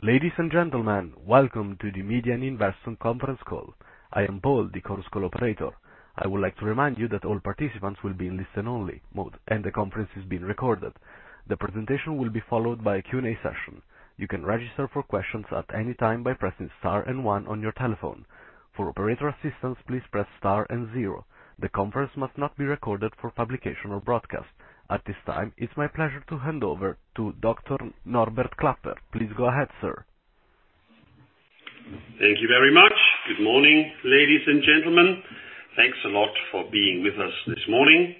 Ladies and gentlemen, welcome to the Media and Investor conference call. I am Paul, the conference call operator. I would like to remind you that all participants will be in listen-only mode, and the conference is being recorded. The presentation will be followed by a Q&A session. You can register for questions at any time by pressing star and one on your telephone. For operator assistance, please press star and zero. The conference must not be recorded for publication or broadcast. At this time, it's my pleasure to hand over to Dr. Norbert Klapper. Please go ahead, sir. Thank you very much. Good morning, ladies and gentlemen. Thanks a lot for being with us this morning.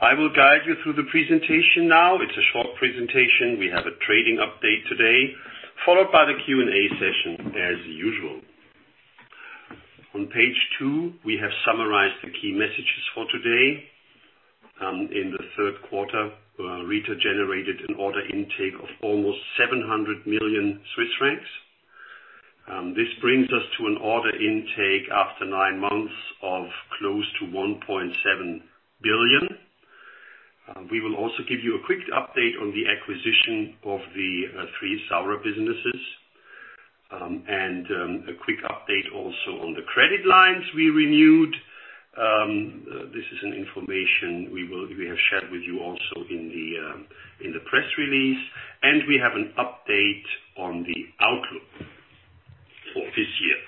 I will guide you through the presentation now. It's a short presentation. We have a trading update today, followed by the Q&A session as usual. On page two, we have summarized the key messages for today. In the third quarter, Rieter generated an order intake of almost 700 million Swiss francs. This brings us to an order intake after nine months of close to 1.7 billion. We will also give you a quick update on the acquisition of the three Saurer businesses. A quick update also on the credit lines we renewed. This is an information we have shared with you also in the press release, and we have an update on the outlook for this year.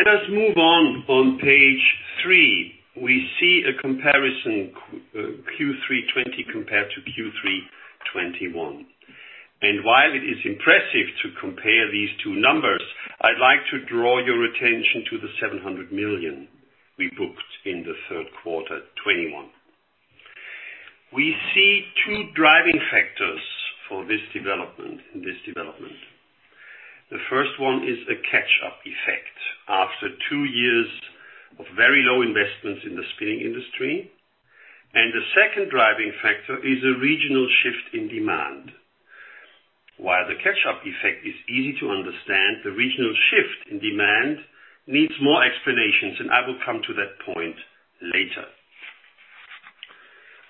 Let us move on. On page three, we see a comparison Q3 2020 compared to Q3 2021. While it is impressive to compare these two numbers, I'd like to draw your attention to the 700 million we booked in the third quarter 2021. We see two driving factors for this development. The first one is a catch-up effect after two years of very low investments in the spinning industry. The second driving factor is a regional shift in demand. While the catch-up effect is easy to understand, the regional shift in demand needs more explanations. I will come to that point later.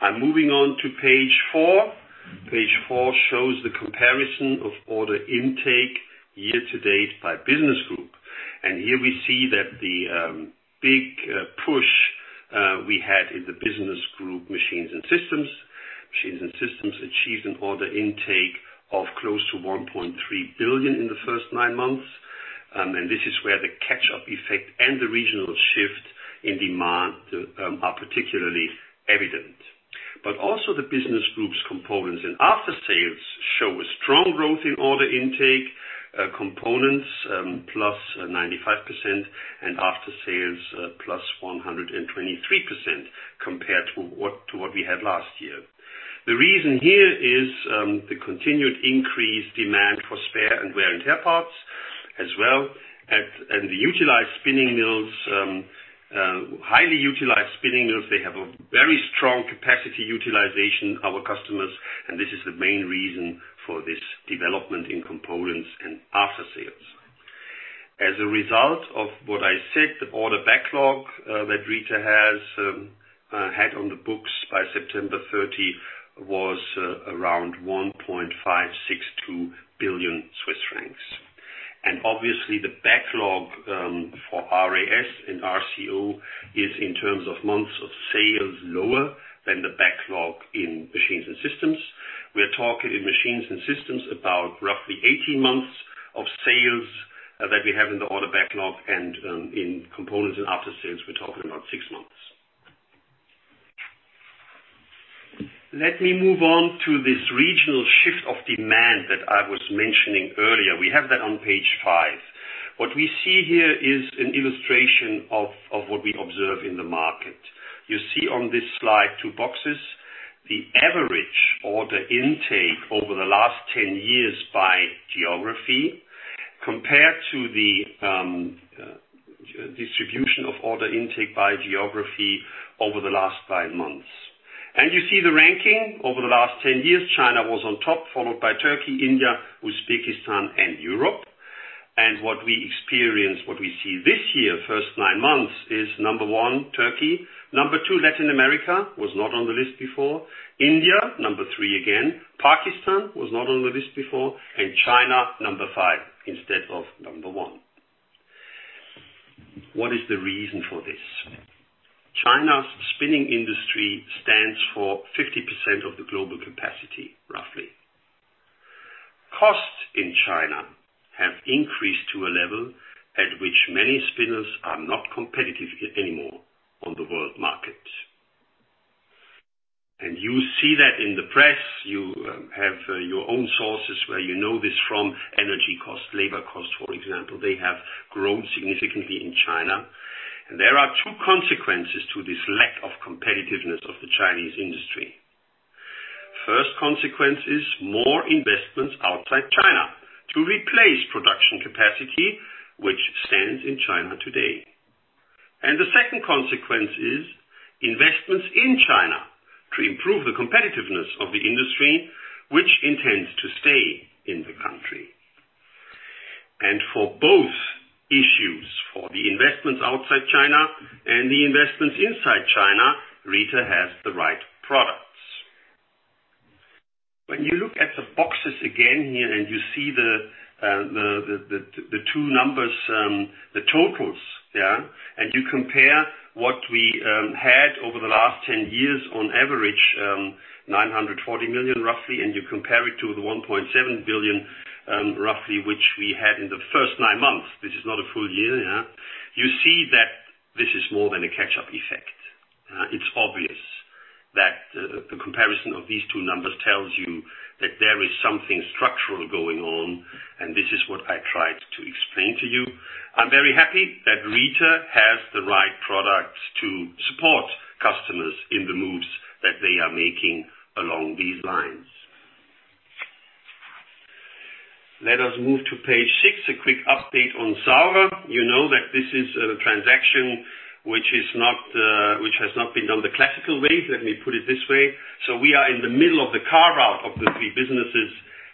I'm moving on to page four. Page four shows the comparison of order intake year to date by business group. Here we see that the big push we had in the business group, Machines & Systems. Machines & Systems achieved an order intake of close to 1.3 billion in the first nine months. This is where the catch-up effect and the regional shift in demand are particularly evident. Also the business group's Components and After Sales show a strong growth in order intake. Components plus 95% and After Sales plus 123% compared to what we had last year. The reason here is the continued increased demand for spare and wear and tear parts as well. The highly utilized spinning mills, they have a very strong capacity utilization, our customers, and this is the main reason for this development in Components and After Sales. As a result of what I said, the order backlog that Rieter had on the books by September 30 was around 1.562 billion Swiss francs. Obviously the backlog for RAS and RCO is in terms of months of sales lower than the backlog in Machines & Systems. We're talking in Machines & Systems about roughly 18 months of sales that we have in the order backlog and in Components and After Sales, we're talking about six months. Let me move on to this regional shift of demand that I was mentioning earlier. We have that on page five. What we see here is an illustration of what we observe in the market. You see on this slide two boxes. The average order intake over the last 10 years by geography compared to the distribution of order intake by geography over the last five months. You see the ranking over the last 10 years. China was on top, followed by Turkey, India, Uzbekistan and Europe. What we experienced, what we see this year, first nine months, is number one, Turkey. Number two, Latin America, was not on the list before. India, number three again. Pakistan was not on the list before. China, number five instead of number one. What is the reason for this? China's spinning industry stands for 50% of the global capacity, roughly. Costs in China have increased to a level at which many spinners are not competitive anymore on the world market. You see that in the press. You have your own sources where you know this from energy costs, labor costs, for example. They have grown significantly in China. There are two consequences to this lack of competitiveness of the Chinese industry. First consequence is more investments outside China to replace production capacity, which stands in China today. The second consequence is investments in China to improve the competitiveness of the industry, which intends to stay in the country. For both issues, for the investments outside China and the investments inside China, Rieter has the right products. When you look at the boxes again here and you see the two numbers, the totals, yeah. You compare what we had over the last 10 years on average, 940 million roughly, and you compare it to the 1.7 billion, roughly, which we had in the first nine months. This is not a full year. You see that this is more than a catch-up effect. It's obvious that the comparison of these two numbers tells you that there is something structural going on, and this is what I tried to explain to you. I'm very happy that Rieter has the right products to support customers in the moves that they are making along these lines. Let us move to page six, a quick update on Saurer. You know that this is a transaction which has not been done the classical way, let me put it this way. We are in the middle of the carve-out of the three businesses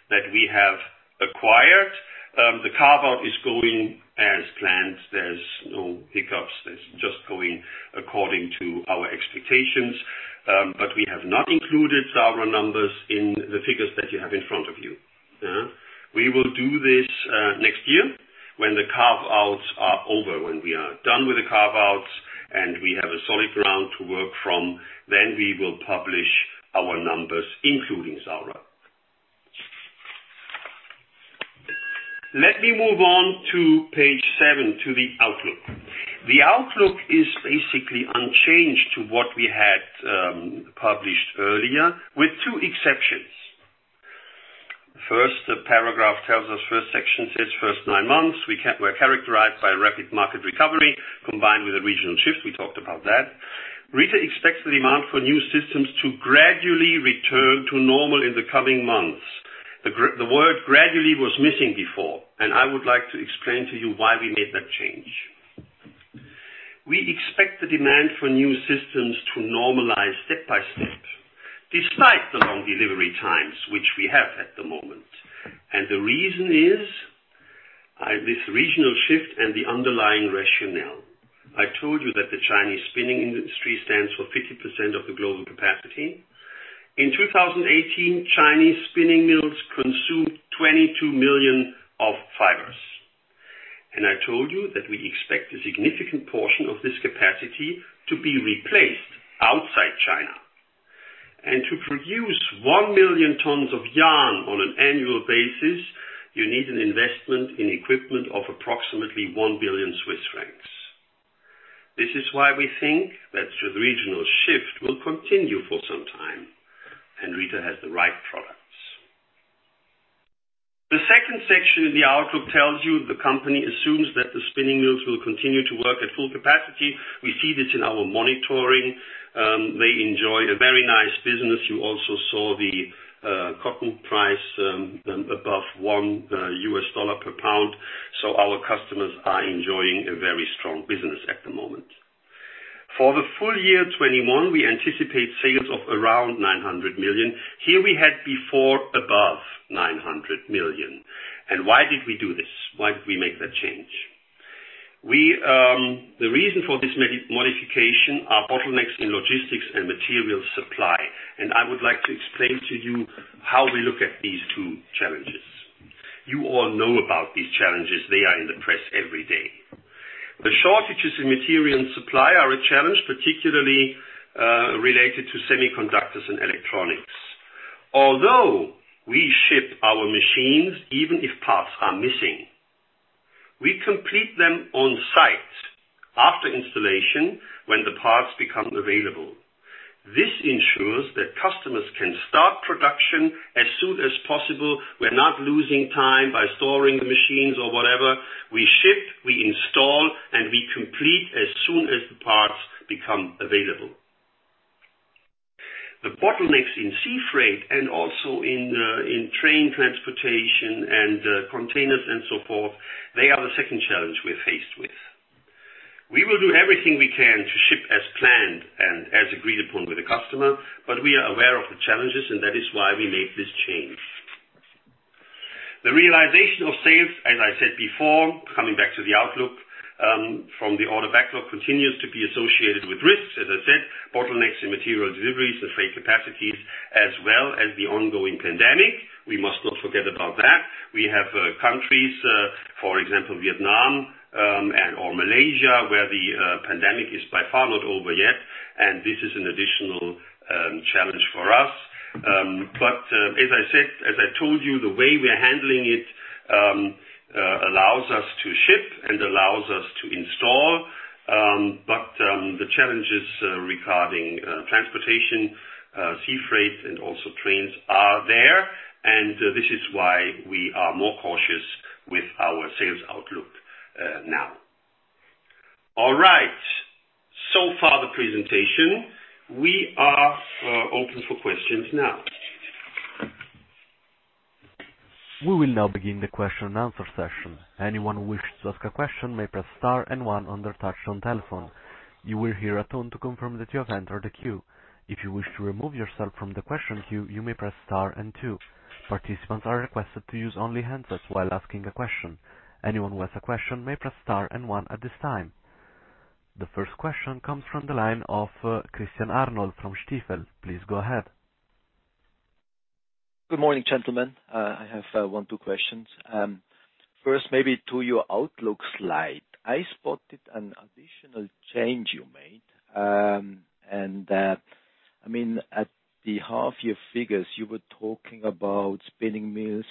that we have acquired. The carve-out is going as planned. There's no hiccups. It's just going according to our expectations. We have not included Saurer numbers in the figures that you have in front of you. We will do this next year when the carve-outs are over. When we are done with the carve-outs and we have a solid ground to work from, then we will publish our numbers, including Saurer. Let me move on to page seven, to the outlook. The outlook is basically unchanged to what we had published earlier, with two exceptions. The paragraph tells us, first section says first nine months were characterized by rapid market recovery combined with a regional shift. We talked about that. Rieter expects the demand for new systems to gradually return to normal in the coming months. The word gradually was missing before. I would like to explain to you why we made that change. We expect the demand for new systems to normalize step by step, despite the long delivery times, which we have at the moment. The reason is this regional shift and the underlying rationale. I told you that the Chinese spinning industry stands for 50% of the global capacity. In 2018, Chinese spinning mills consumed 22 million fibers. I told you that we expect a significant portion of this capacity to be replaced outside China. To produce one million tons of yarn on an annual basis, you need an investment in equipment of approximately 1 billion Swiss francs. This is why we think that the regional shift will continue for some time, and Rieter has the right products. The second section in the outlook tells you the company assumes that the spinning mills will continue to work at full capacity. We see this in our monitoring. They enjoy a very nice business. You also saw the cotton price above $1 per pound. Our customers are enjoying a very strong business at the moment. For the full year 2021, we anticipate sales of around 900 million. Here we had before above 900 million. Why did we do this? Why did we make that change? The reason for this modification are bottlenecks in logistics and material supply, I would like to explain to you how we look at these two challenges. You all know about these challenges. They are in the press every day. The shortages in material and supply are a challenge, particularly related to semiconductors and electronics. Although we ship our machines, even if parts are missing, we complete them on site after installation when the parts become available. This ensures that customers can start production as soon as possible. We're not losing time by storing the machines or whatever. We ship, we install, and we complete as soon as the parts become available. The bottlenecks in sea freight and also in train transportation and containers and so forth, they are the second challenge we're faced with. We will do everything we can to ship as planned and as agreed upon with the customer, but we are aware of the challenges and that is why we made this change. The realization of sales, as I said before, coming back to the outlook, from the order backlog continues to be associated with risks. As I said, bottlenecks in material deliveries and freight capacities as well as the ongoing pandemic. We must not forget about that. We have countries, for example, Vietnam, and or Malaysia, where the pandemic is by far not over yet, and this is an additional challenge for us. As I said, as I told you, the way we are handling it allows us to ship and allows us to install. The challenges regarding transportation, sea freight and also trains are there. This is why we are more cautious with our sales outlook now. All right. Far the presentation. We are open for questions now. The first question comes from the line of Christian Arnold from Stifel. Please go ahead. Good morning, gentlemen. I have one, two questions. Maybe to your outlook slide. I spotted an additional change you made. That, at the half year figures, you were talking about spinning mills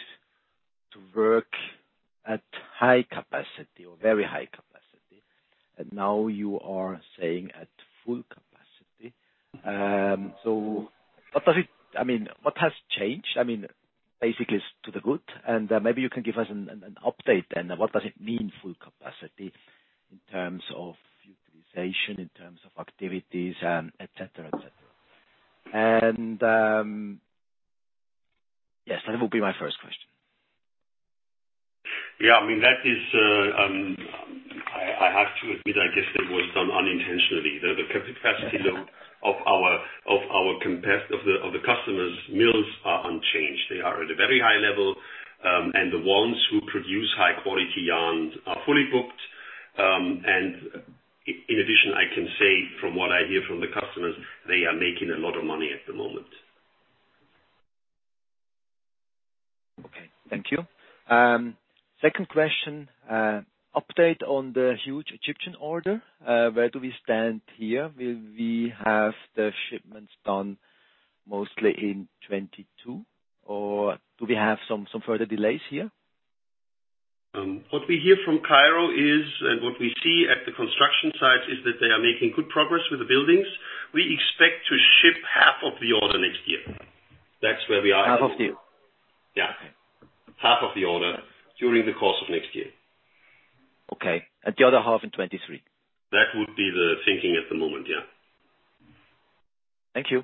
to work at high capacity or very high capacity. Now you are saying at full capacity. What has changed? Basically it's to the good, and maybe you can give us an update then. What does it mean, full capacity, in terms of utilization, in terms of activities, et cetera. Yes, that will be my first question. Yeah. I have to admit, I guess that was done unintentionally. The capacity load of the customers' mills are unchanged. They are at a very high level, and the ones who produce high-quality yarn are fully booked. In addition, I can say from what I hear from the customers, they are making a lot of money at the moment. Okay. Thank you. Second question. Update on the huge Egyptian order. Where do we stand here? Will we have the shipments done mostly in 2022, or do we have some further delays here? What we hear from Cairo is, and what we see at the construction sites, is that they are making good progress with the buildings. We expect to ship half of the order next year. That's where we are. Half of the year? Yeah. Okay. Half of the order during the course of next year. Okay. The other half in 2023. That would be the thinking at the moment, yeah. Thank you.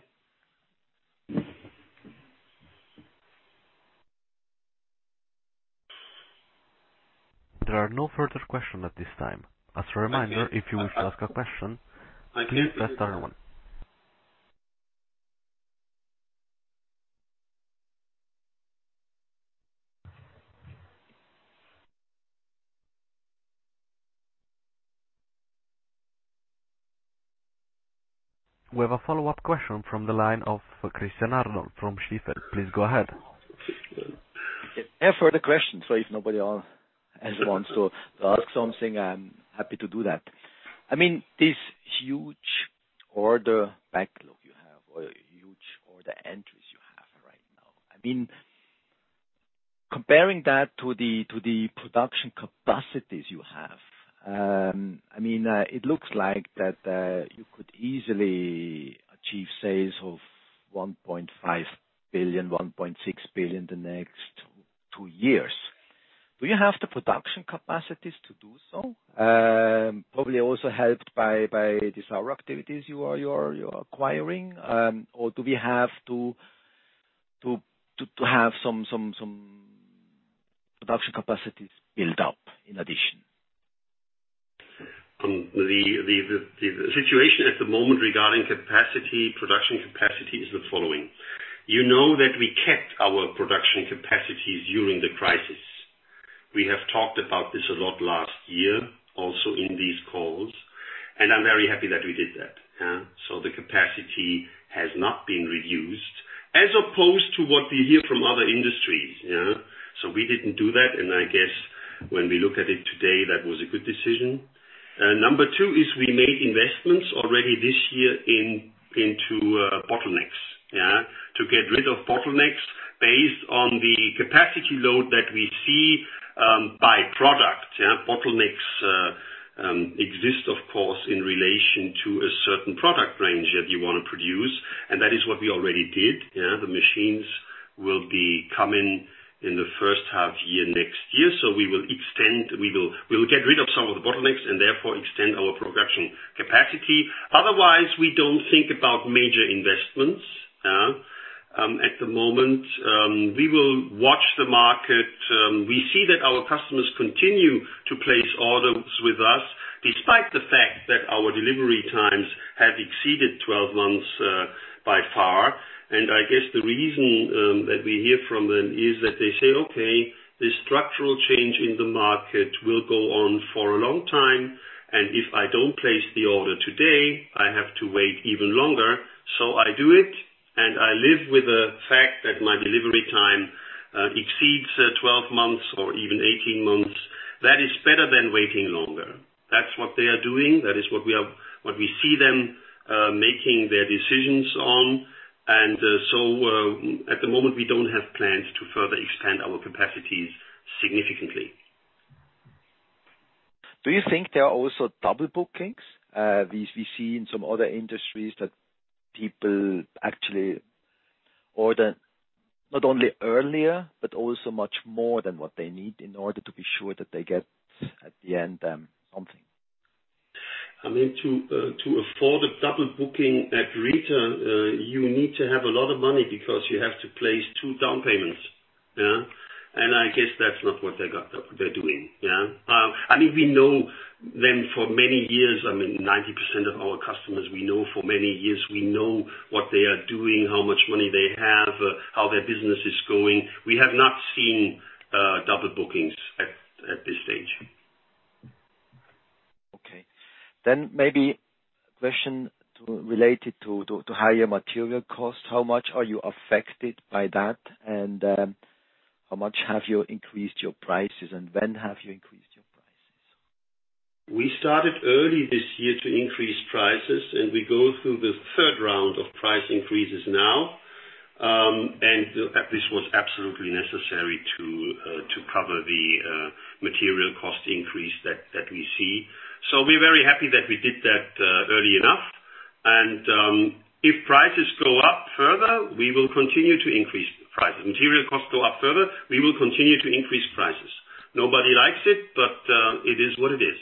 There are no further questions at this time. As a reminder, if you wish to ask a question, please press star one. We have a follow-up question from the line of Christian Arnold from Stifel. Please go ahead. I have further questions, so if nobody else wants to ask something, I'm happy to do that. This huge order backlog you have, or huge order entries you have right now. Comparing that to the production capacities you have, it looks like that you could easily achieve sales of 1.5 billion, 1.6 billion the next two years. Do you have the production capacities to do so? Probably also helped by these other activities you are acquiring, or do we have to have some production capacities built up in addition? The situation at the moment regarding production capacity is the following. You know that we kept our production capacities during the crisis. We have talked about this a lot last year, also in these calls, and I'm very happy that we did that. The capacity has not been reduced, as opposed to what we hear from other industries. We didn't do that, and I guess when we look at it today, that was a good decision. Number two is we made investments already this year into bottlenecks. To get rid of bottlenecks based on the capacity load that we see, by product. Bottlenecks exist, of course, in relation to a certain product range that you want to produce, and that is what we already did. The machines will be coming in the first half year next year. We will get rid of some of the bottlenecks and therefore extend our production capacity. Otherwise, we don't think about major investments at the moment. We will watch the market. We see that our customers continue to place orders with us, despite the fact that our delivery times have exceeded 12 months by far. I guess the reason that we hear from them is that they say, Okay, this structural change in the market will go on for a long time, and if I don't place the order today, I have to wait even longer. I do it and I live with the fact that my delivery time exceeds 12 months or even 18 months. That is better than waiting longer. That's what they are doing. That is what we see them making their decisions on. At the moment, we don't have plans to further expand our capacities significantly. Do you think there are also double bookings? We see in some other industries that people actually order not only earlier, but also much more than what they need in order to be sure that they get, at the end, something. To afford a double booking at Rieter, you need to have a lot of money because you have to place two down payments. I guess that's not what they're doing. We know them for many years, 90% of our customers, as we know for many years, we know what they are doing, how much money they have, how their business is going. We have not seen double bookings at this stage. Okay. Maybe a question related to higher material costs. How much are you affected by that? How much have you increased your prices, and when have you increased your prices? We started early this year to increase prices, and we go through the third round of price increases now. This was absolutely necessary to cover the material cost increase that we see. We're very happy that we did that early enough. If prices go up further, we will continue to increase prices. Material costs go up further, we will continue to increase prices. Nobody likes it, but it is what it is.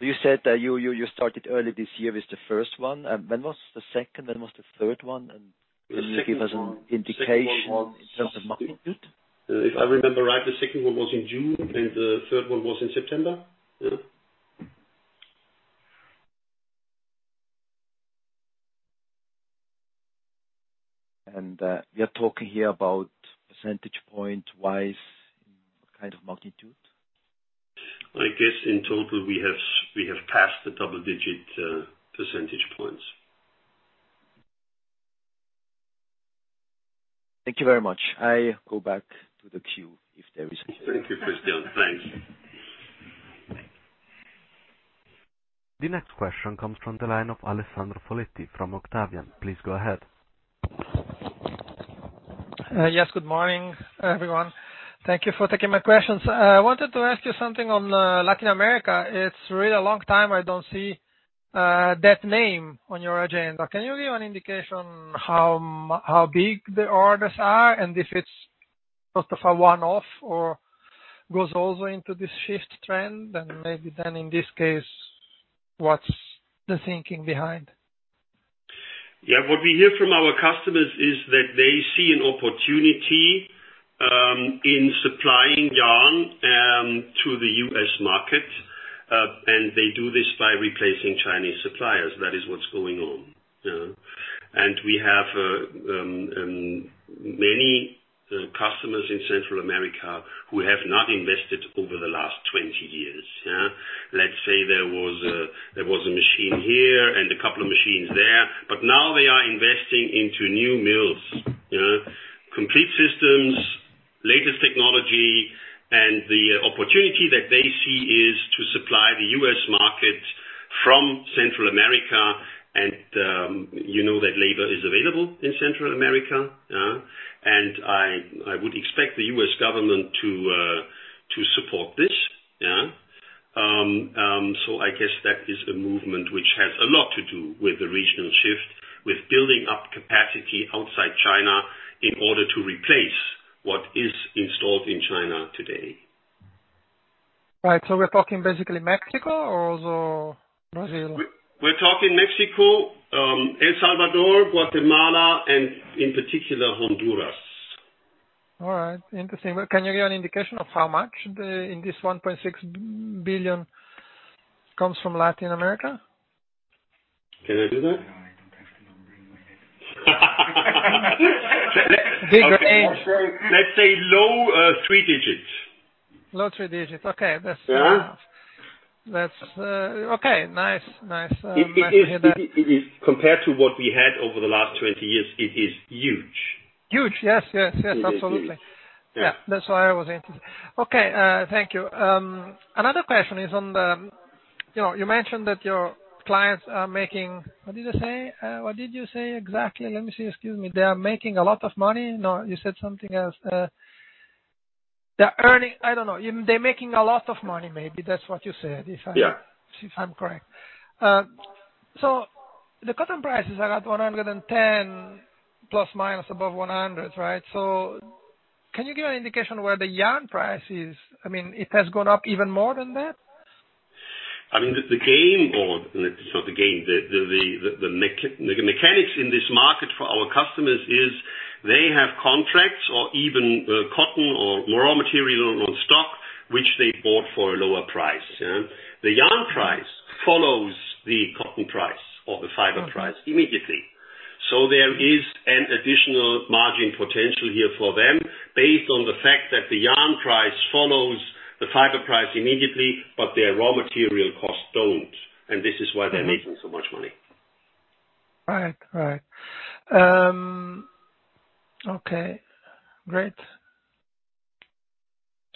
You said that you started early this year with the first one. When was the second, when was the third one? Can you give us an indication in terms of magnitude? If I remember right, the second one was in June and the third one was in September. We are talking here about percentage point-wise, what kind of magnitude? I guess in total, we have passed the double-digit percentage points. Thank you very much. I go back to the queue if there is. Thank you, Christian. Thanks. The next question comes from the line of Alessandro Poletti from Octavian. Please go ahead. Yes. Good morning, everyone. Thank you for taking my questions. I wanted to ask you something on Latin America. It's really a long time I don't see that name on your agenda. Can you give an indication how big the orders are and if it's sort of a one-off or goes also into this shift trend? Maybe then in this case, what's the thinking behind? Yeah. What we hear from our customers is that they see an opportunity in supplying yarn to the U.S. market. They do this by replacing Chinese suppliers. That is what's going on. We have many customers in Central America who have not invested over the last 20 years. Let's say there was a machine here and a couple of machines there. Now they are investing into new mills. Complete systems, latest technology. The opportunity that they see is to supply the U.S. market from Central America. You know that labor is available in Central America. I would expect the U.S. government to support this. I guess that is a movement which has a lot to do with the regional shift, with building up capacity outside China in order to replace what is installed in China today. Right. We're talking basically Mexico or also Brazil? We're talking Mexico, El Salvador, Guatemala, and in particular, Honduras. All right. Interesting. Can you give an indication of how much in this 1.6 billion comes from Latin America? Can I do that? No, I don't have the number in my head. Big range. Let's say low three digits. Low three digits. Okay. Yeah. Okay. Nice to hear that. Compared to what we had over the last 20 years, it is huge. Huge. Yes. Absolutely. Yeah. That's why I was interested. Okay. Thank you. Another question is on the you mentioned that your clients are making What did you say? What did you say exactly? Let me see. Excuse me. They are making a lot of money. No, you said something else. They're earning, I don't know. They're making a lot of money, maybe that's what you said. Yeah If I'm correct. The cotton prices are at 110, plus minus above 100, right? Can you give an indication where the yarn price is? It has gone up even more than that? Not the game. The mechanics in this market for our customers is, they have contracts or even cotton or raw material on stock, which they bought for a lower price. The yarn price follows the cotton price or the fiber price immediately. There is an additional margin potential here for them based on the fact that the yarn price follows the fiber price immediately, but their raw material costs don't, and this is why they're making so much money. Right. Okay, great.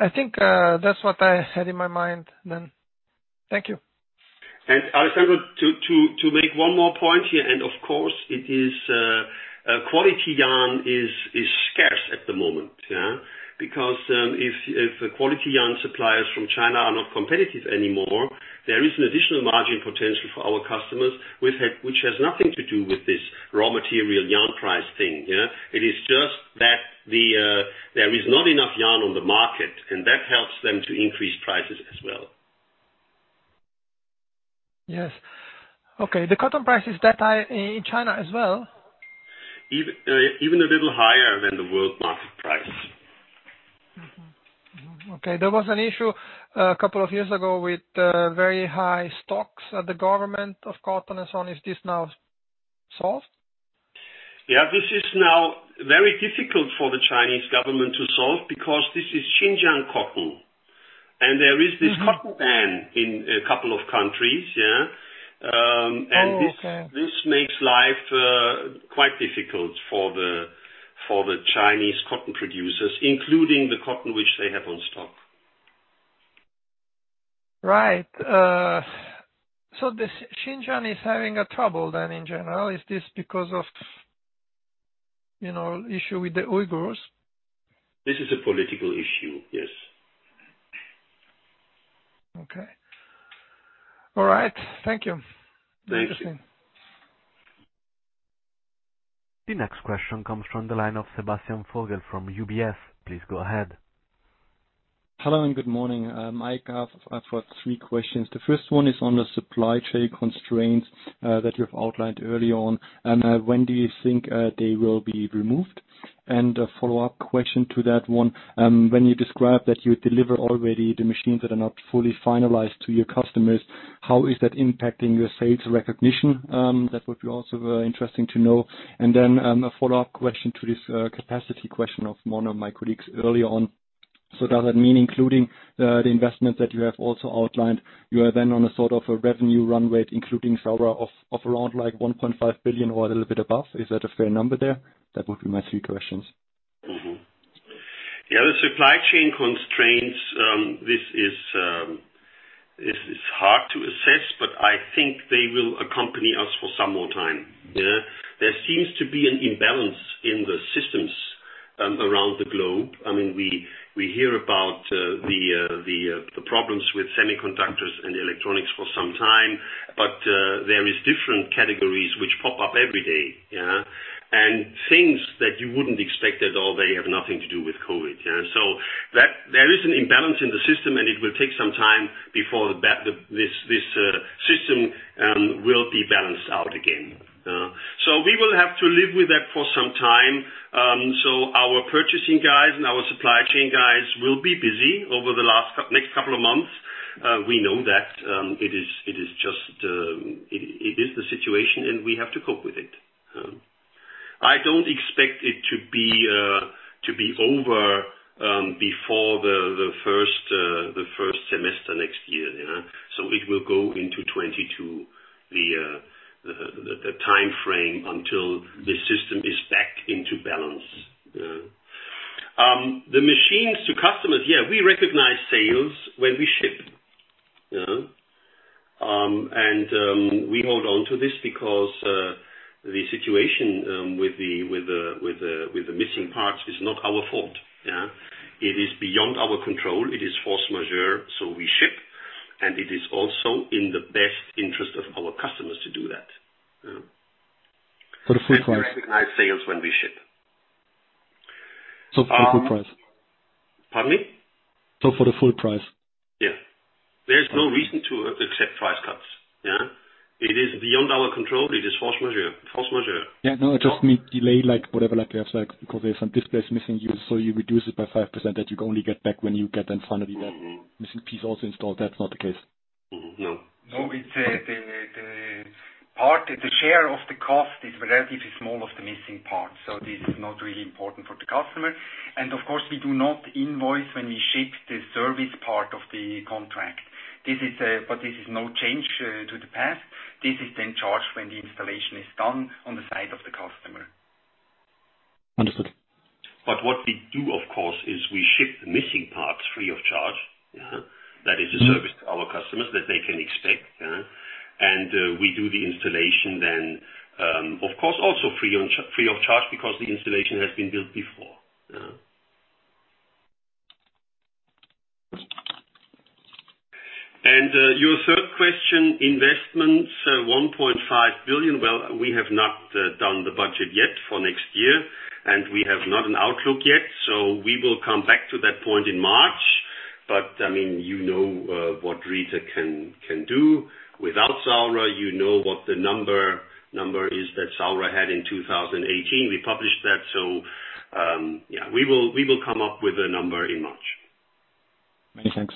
I think that's what I had in my mind then. Thank you. Alessandro, to make one more point here, of course, quality yarn is scarce at the moment. If the quality yarn suppliers from China are not competitive anymore, there is an additional margin potential for our customers, which has nothing to do with this raw material yarn price thing. It is just that there is not enough yarn on the market, that helps them to increase prices as well. Yes. Okay. The cotton price is that high in China as well? Even a little higher than the world market price. Okay. There was an issue a couple of years ago with very high stocks at the government of cotton and so on. Is this now solved? Yeah. This is now very difficult for the Chinese government to solve because this is Xinjiang cotton. cotton ban in a couple of countries. Oh, okay. This makes life quite difficult for the Chinese cotton producers, including the cotton which they have on stock. Right. Xinjiang is having a trouble then in general. Is this because of issue with the Uyghurs? This is a political issue, yes. Okay. All right. Thank you. Thanks. Interesting. The next question comes from the line of Sebastian Fogel from UBS. Please go ahead. Hello and good morning. Mike, I've got three questions. The first one is on the supply chain constraints that you've outlined early on. When do you think they will be removed? A follow-up question to that one, when you describe that you deliver already the machines that are not fully finalized to your customers, how is that impacting your sales recognition? That would be also very interesting to know. A follow-up question to this capacity question of one of my colleagues early on. Does that mean including the investment that you have also outlined, you are then on a sort of a revenue run rate, including Saurer of around like 1.5 billion or a little bit above? Is that a fair number there? That would be my three questions. This is hard to assess, but I think they will accompany us for some more time. There seems to be an imbalance in the systems around the globe. We hear about the problems with semiconductors and electronics for some time. There is different categories which pop up every day. Things that you wouldn't expect at all. They have nothing to do with COVID. There is an imbalance in the system, and it will take some time before this system will be balanced out again. We will have to live with that for some time. Our purchasing guys and our supply chain guys will be busy over the next couple of months. We know that. It is the situation, and we have to cope with it. I don't expect it to be over before the first semester next year. It will go into 2022, the timeframe until the system is back into balance. The machines to customers, yeah, we recognize sales when we ship. We hold on to this because the situation with the missing parts is not our fault. It is beyond our control. It is force majeure, so we ship, and it is also in the best interest of our customers to do that. For the full price? We recognize sales when we ship. For the full price? Pardon me? For the full price? Yeah. There's no reason to accept price cuts. It is beyond our control. It is force majeure. I just mean delay, whatever, like you have, because there is some displays missing, so you reduce it by 5%. missing piece also installed. That's not the case? No. No, the share of the cost is relatively small of the missing parts. This is not really important for the customer. Of course, we do not invoice when we ship the service part of the contract. This is no change to the past. This is then charged when the installation is done on the side of the customer. Understood. What we do, of course, is we ship the missing parts free of charge. That is a service to our customers that they can expect. We do the installation then, of course, also free of charge because the installation has been built before. Your third question, investments, 1.5 billion. Well, we have not done the budget yet for next year, and we have not an outlook yet. We will come back to that point in March. You know what Rieter can do. Without Saurer, you know what the number is that Saurer had in 2018. We published that. We will come up with a number in March. Many thanks.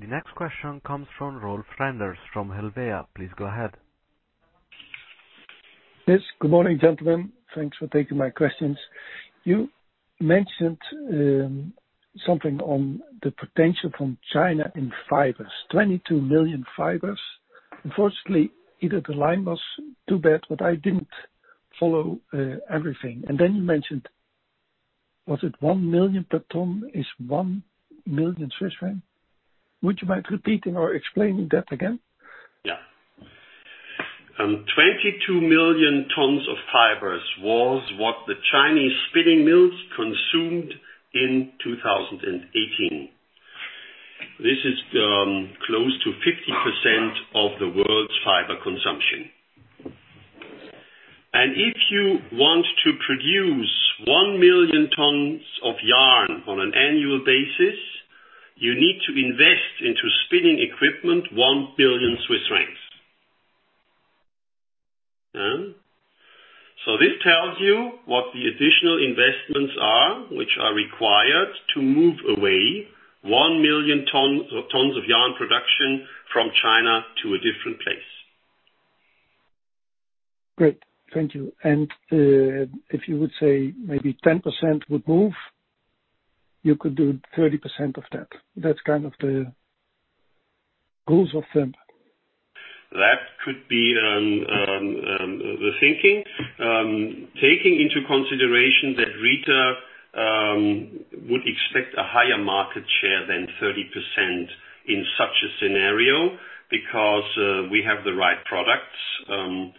The next question comes from Rolf Renders from Helvea. Please go ahead. Yes. Good morning, gentlemen. Thanks for taking my questions. You mentioned something on the potential from China in fibers, 22 million fibers. Unfortunately, either the line was too bad, but I didn't follow everything. You mentioned, was it one million per ton is 1 million Swiss francs? Would you mind repeating or explaining that again? 22 million tons of fibers was what the Chinese spinning mills consumed in 2018. This is close to 50% of the world's fiber consumption. If you want to produce one million tons of yarn on an annual basis, you need to invest into spinning equipment 1 billion Swiss francs. This tells you what the additional investments are, which are required to move away one million tons of yarn production from China to a different place. Great, thank you. If you would say maybe 10% would move, you could do 30% of that. That's kind of the rules of thumb. That could be the thinking. Taking into consideration that Rieter would expect a higher market share than 30% in such a scenario, because we have the right products.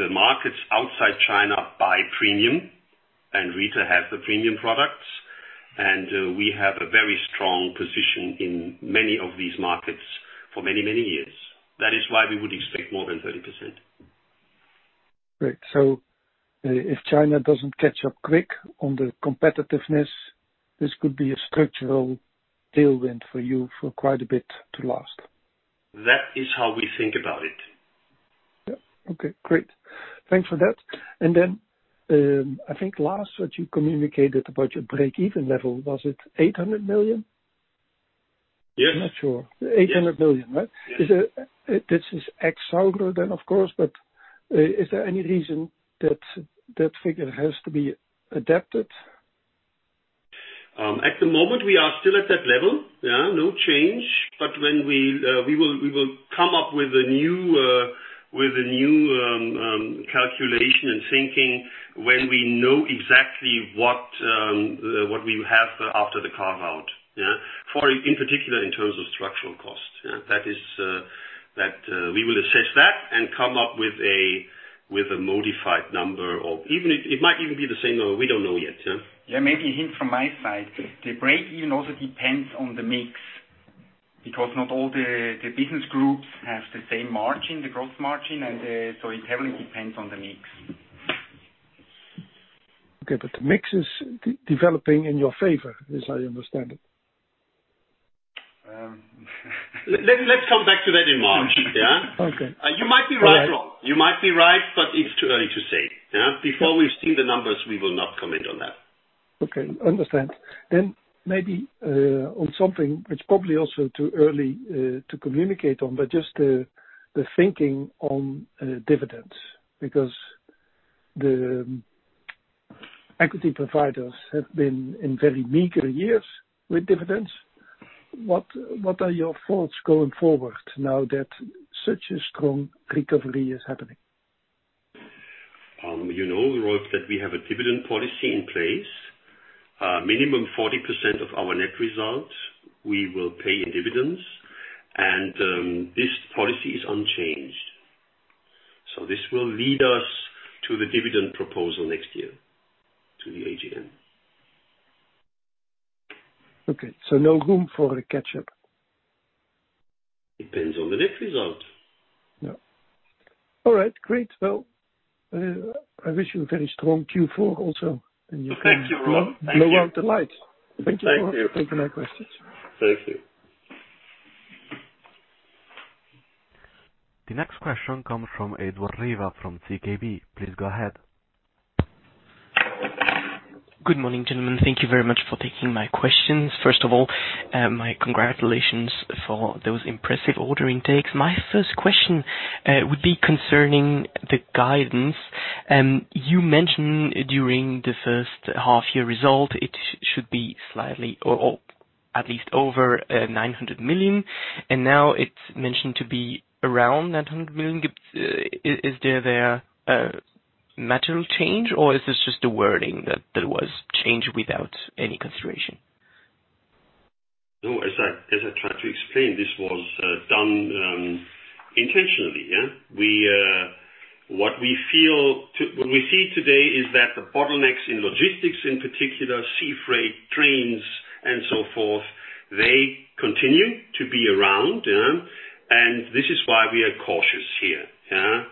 The markets outside China buy premium, and Rieter has the premium products, and we have a very strong position in many of these markets for many years. That is why we would expect more than 30%. Great. If China doesn't catch up quick on the competitiveness, this could be a structural tailwind for you for quite a bit to last. That is how we think about it. Yeah. Okay, great. Thanks for that. I think last that you communicated about your break-even level, was it 800 million? Yes. I'm not sure. 800 million, right? Yes. This is ex-Saurer then, of course, but is there any reason that that figure has to be adapted? At the moment, we are still at that level. Yeah, no change. We will come up with a new calculation and thinking when we know exactly what we have after the carve-out. Yeah. In particular, in terms of structural costs. We will assess that and come up with a modified number, or it might even be the same. We don't know yet. Yeah, maybe a hint from my side. The break-even also depends on the mix, because not all the business groups have the same margin, the gross margin, and so it heavily depends on the mix. Okay, the mix is developing in your favor, as I understand it. Let's come back to that in March. Yeah. Okay. You might be right, Rolf. It's too early to say. Before we've seen the numbers, we will not comment on that. Okay. Understand. Maybe on something which probably also too early to communicate on, but just the thinking on dividends, because the equity providers have been in very meager years with dividends. What are your thoughts going forward now that such a strong recovery is happening? You know, Rolf, that we have a dividend policy in place. A minimum 40% of our net results we will pay in dividends, and this policy is unchanged. This will lead us to the dividend proposal next year to the AGM. Okay, no room for a catch-up. Depends on the net result. Yeah. All right. Great. Well, I wish you a very strong Q4 also. Thank you, Rolf. Thank you. Lower light. Thank you. Thank you for taking my questions. Thank you. The next question comes from Edouard Riva from ZKB. Please go ahead. Good morning, gentlemen. Thank you very much for taking my questions. First of all, my congratulations for those impressive order intakes. My first question would be concerning the guidance. You mentioned during the first half-year result, it should be slightly or at least over 900 million, and now it's mentioned to be around 900 million. Is there a material change or is this just a wording that there was change without any consideration? No, as I tried to explain, this was done intentionally. Yeah. What we see today is that the bottlenecks in logistics, in particular sea freight, trains, and so forth, they continue to be around. This is why we are cautious here. Yeah.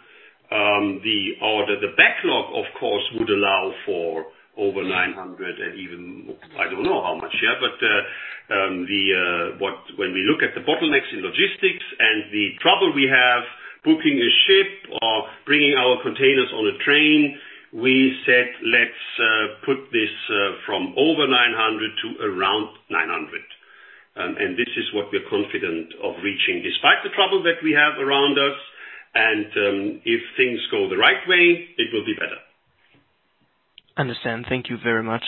The backlog, of course, would allow for over 900 and even I don't know how much. Yeah. When we look at the bottlenecks in logistics and the trouble we have booking a ship or bringing our containers on a train, we said, Let's put this from over 900 to around 900. This is what we're confident of reaching despite the trouble that we have around us. If things go the right way, it will be better. Understand. Thank you very much.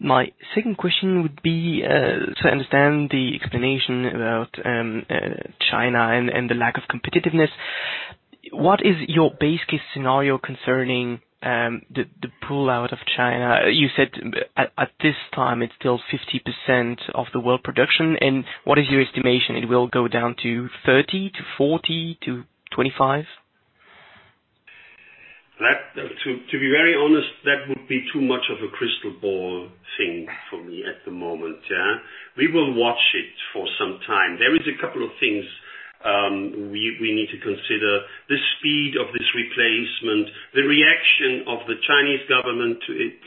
My second question would be to understand the explanation about China and the lack of competitiveness. What is your base case scenario concerning the pull-out of China? You said at this time it's still 50% of the world production. What is your estimation? It will go down to 30%, to 40%, to 25%? To be very honest, that would be too much of a crystal ball thing for me at the moment. Yeah. We will watch it for some time. There is a couple of things we need to consider. Speed of this replacement, the reaction of the Chinese government to it.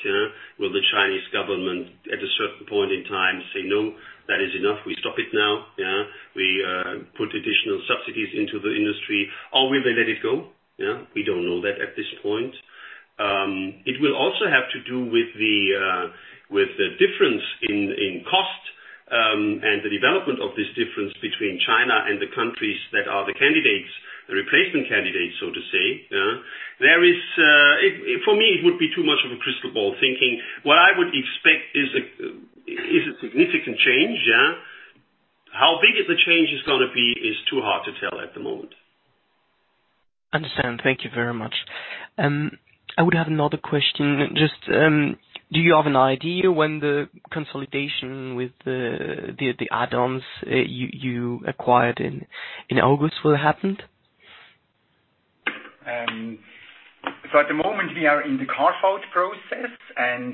Will the Chinese government, at a certain point in time, say, No, that is enough. We stop it now. Will they put additional subsidies into the industry, or will they let it go? We don't know that at this point. It will also have to do with the difference in cost and the development of this difference between China and the countries that are the replacement candidates, so to say. For me, it would be too much of a crystal ball thinking. What I would expect is a significant change. How big the change is going to be is too hard to tell at the moment. Understand. Thank you very much. I would have another question. Just, do you have an idea when the consolidation with the add-ons you acquired in August will happen? At the moment, we are in the carve-out process and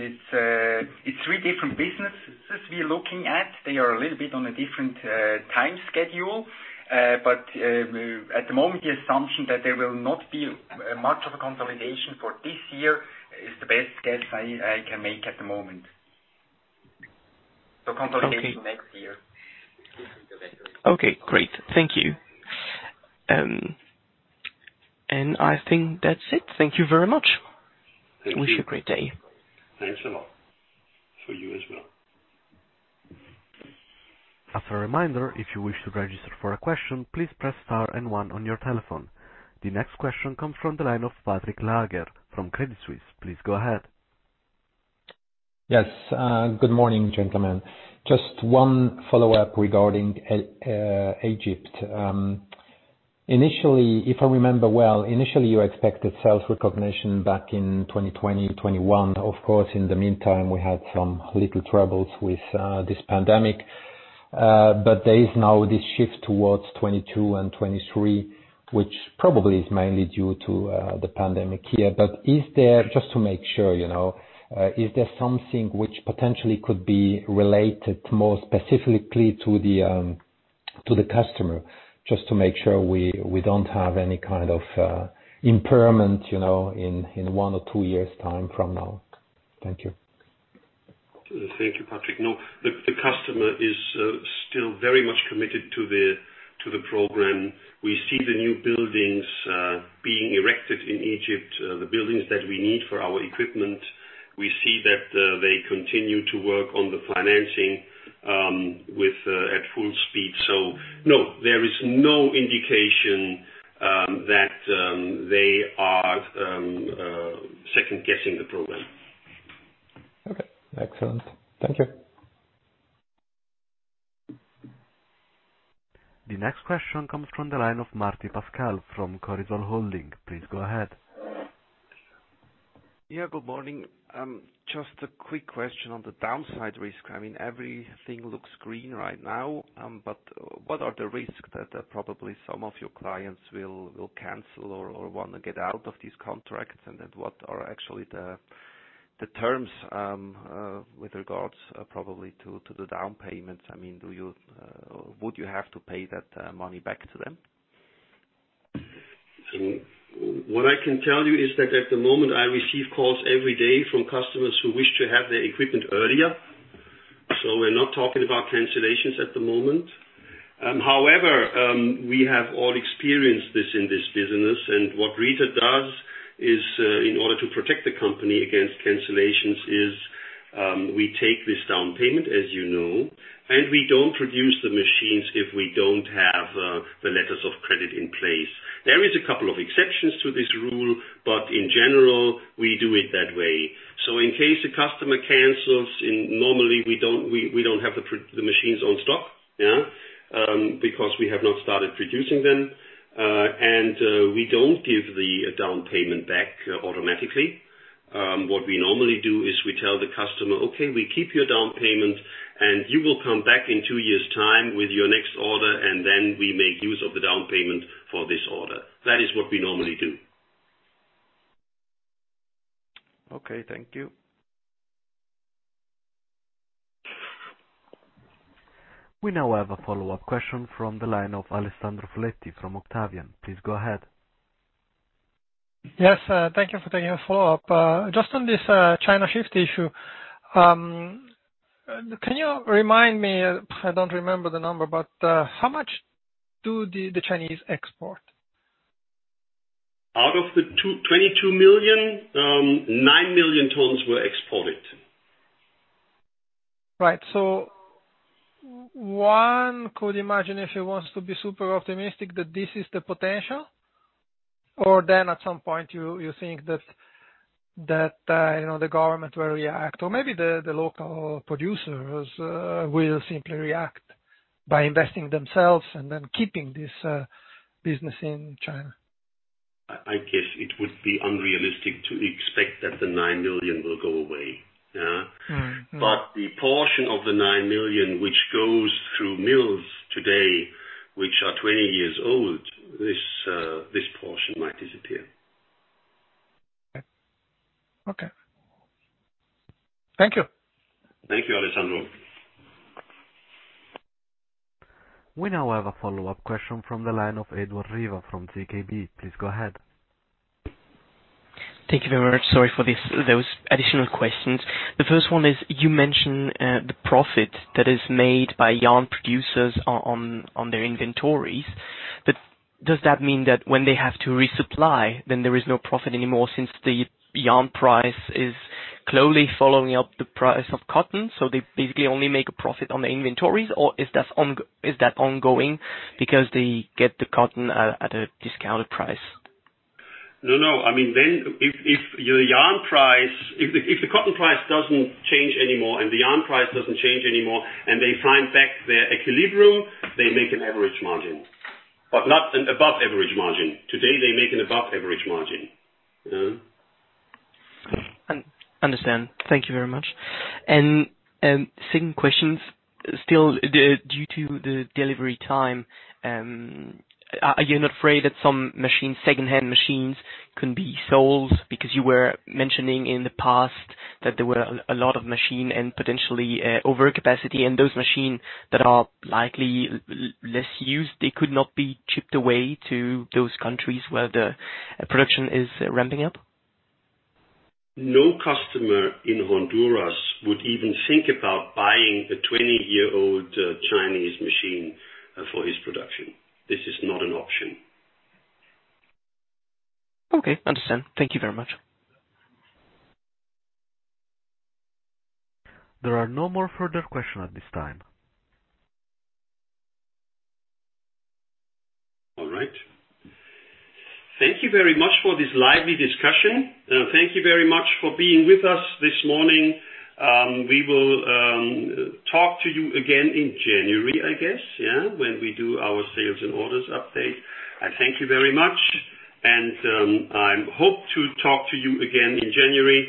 it's three different businesses we're looking at. They are a little bit on a different time schedule. At the moment, the assumption that there will not be much of a consolidation for this year is the best guess I can make at the moment. Okay. Next year. Okay, great. Thank you. I think that's it. Thank you very much. Thank you. I wish you a great day. Thanks a lot. For you as well. As a reminder, if you wish to register for a question, please press Star and One on your telephone. The next question comes from the line of Patrick Laager from Credit Suisse. Please go ahead. Yes. Good morning, gentlemen. Just one follow-up regarding Egypt. If I remember well, initially you expected sales recognition back in 2020-2021. Of course, in the meantime, we had some little troubles with this pandemic. There is now this shift towards 2022 and 2023, which probably is mainly due to the pandemic here. Just to make sure, is there something which potentially could be related more specifically to the customer, just to make sure we don't have any kind of impairment in one or two years' time from now? Thank you. Thank you, Patrick. No, the customer is still very much committed to the program. We see the new buildings being erected in Egypt, the buildings that we need for our equipment. We see that they continue to work on the financing at full speed. No, there is no indication that they are second-guessing the program. Okay. Excellent. Thank you. The next question comes from the line of Martin Paschal from Corisol Holding. Please go ahead. Yeah, good morning. Just a quick question on the downside risk. Everything looks green right now. What are the risks that probably some of your clients will cancel or want to get out of these contracts? What are actually the terms with regards probably to the down payments? Would you have to pay that money back to them? What I can tell you is that at the moment, I receive calls every day from customers who wish to have their equipment earlier. We're not talking about cancellations at the moment. However, we have all experienced this in this business, and what Rieter does is in order to protect the company against cancellations, is we take this down payment, as you know, and we don't produce the machines if we don't have the letters of credit in place. There is a couple of exceptions to this rule, in general, we do it that way. In case a customer cancels, normally we don't have the machines on stock. We have not started producing them. We don't give the down payment back automatically. What we normally do is we tell the customer, Okay, we keep your down payment, and you will come back in two years' time with your next order, and then we make use of the down payment for this order. That is what we normally do. Okay. Thank you. We now have a follow-up question from the line of Alessandro Foletti from Octavian. Please go ahead. Yes. Thank you for taking a follow-up. Just on this China shift issue. Can you remind me, I don't remember the number, but how much do the Chinese export? Out of the 22 million, nine million tons were exported. Right. One could imagine, if he wants to be super optimistic, that this is the potential? At some point you think that the government will react. Maybe the local producers will simply react by investing themselves and then keeping this business in China. I guess it would be unrealistic to expect that the 9 million will go away. The portion of the nine million which goes through mills today, which are 20 years old, this portion might disappear. Okay. Thank you. Thank you, Alessandro. We now have a follow-up question from the line of Edouard Riva from ZKB. Please go ahead. Thank you very much. Sorry for those additional questions. The first one is, you mentioned the profit that is made by yarn producers on their inventories. Does that mean that when they have to resupply, then there is no profit anymore since the yarn price is closely following up the price of cotton, so they basically only make a profit on the inventories, or is that ongoing because they get the cotton at a discounted price? No. If the cotton price doesn't change anymore and the yarn price doesn't change anymore and they find back their equilibrium, they make an average margin, not an above average margin. Today, they make an above average margin. Understand. Thank you very much. Second question. Still due to the delivery time, are you not afraid that some secondhand machines can be sold? Because you were mentioning in the past that there were a lot of machines and potentially over capacity, and those machines that are likely less used, they could not be chipped away to those countries where the production is ramping up. No customer in Honduras would even think about buying a 20-year-old Chinese machine for his production. This is not an option. Okay, understand. Thank you very much. There are no more further questions at this time. All right. Thank you very much for this lively discussion. Thank you very much for being with us this morning. We will talk to you again in January, I guess, yeah, when we do our sales and orders update. I thank you very much, and I hope to talk to you again in January.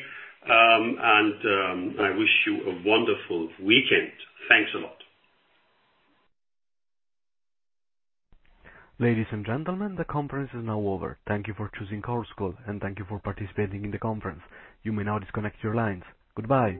I wish you a wonderful weekend. Thanks a lot. Ladies and gentlemen, the conference is now over. Thank you for choosing Chorus Call, and thank you for participating in the conference. You may now disconnect your lines. Goodbye.